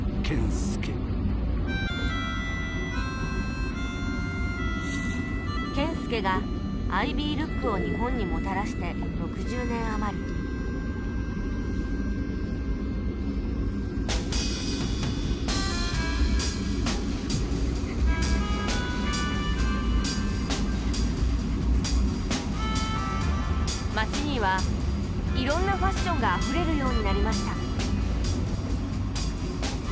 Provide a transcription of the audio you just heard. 謙介がアイビールックを日本にもたらして６０年余り街にはいろんなファッションがあふれるようになりました